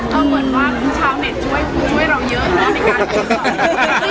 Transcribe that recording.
เหมือนว่า